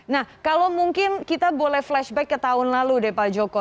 nah kalau mungkin kita boleh flashback ke tahun lalu deh pak joko